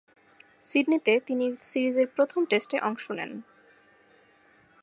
সিডনিতে তিনি সিরিজের প্রথম টেস্টে অংশ নেন।